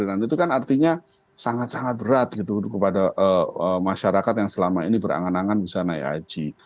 dan itu kan artinya sangat sangat berat gitu kepada masyarakat yang selama ini berangan angan bisa naik haji